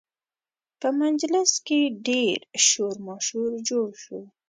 په مجلس کې ډېر شور ماشور جوړ شو